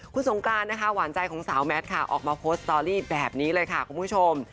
คุณสงการนะคะหวานใจของสาวแมทค่ะออกมาโพสต์สตอรี่แบบนี้เลยค่ะคุณผู้ชม